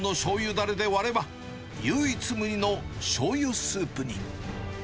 だれで割れば、唯一無二のしょうゆスープに。